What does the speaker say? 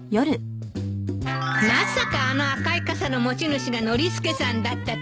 まさかあの赤い傘の持ち主がノリスケさんだったとはね。